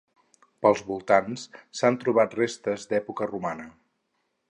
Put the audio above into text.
Pels voltants, s'han trobat restes d'època romana.